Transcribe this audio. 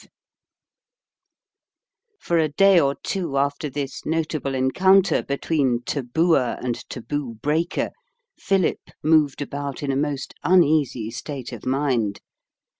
V For a day or two after this notable encounter between tabooer and taboo breaker, Philip moved about in a most uneasy state of mind.